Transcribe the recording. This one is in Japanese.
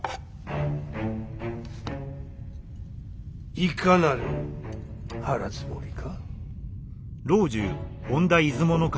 いかなる腹づもりか？